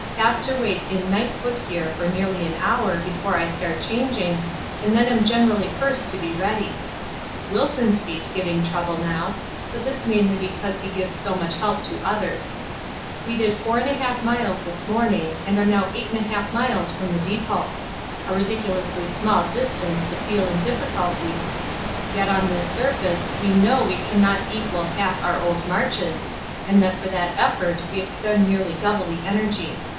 Have to wait in night foot gear for nearly an hour before I start changing, and then am generally first to be ready. Wilson's feet giving trouble now, but this mainly because he gives so much help to others. We did 4 1/2 miles this morning and are now 8 1/2 miles from the depot a ridiculously small distance to feel in difficulties, yet on this surface we know we cannot equal half our old marches, and that for that effort we expend nearly double the energy.